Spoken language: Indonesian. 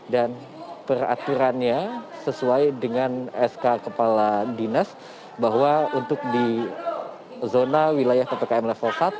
dan peraturannya sesuai dengan sk kepala dinas bahwa untuk di zona wilayah ptkm level satu